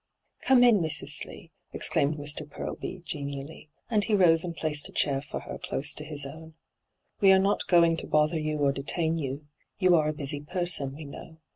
hyGoogIc 96 ENTRAPPED ' Come in, Mrs. Slee,' exclaimed Mr. Parlby genially, and he rose and placed a chair for her close to his own. ' "We are not going to bother you or detain you — you are a busy person, we know.